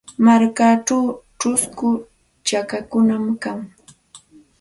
Markachaw chusku chakakunam kan.